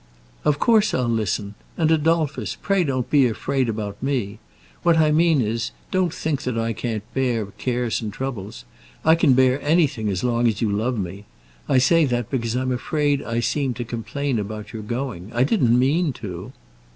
"Of course I'll listen. And, Adolphus, pray don't be afraid about me. What I mean is, don't think that I can't bear cares and troubles. I can bear anything as long as you love me. I say that because I'm afraid I seemed to complain about your going. I didn't mean to."